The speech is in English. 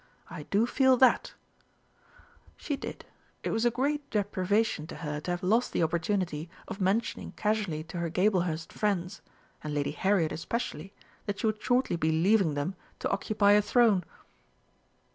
I do feel that." She did; it was a great deprivation to her to have lost the opportunity of mentioning casually to her Gablehurst friends and Lady Harriet especially that she would shortly be leaving them to occupy a throne.